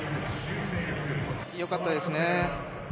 よかったですね。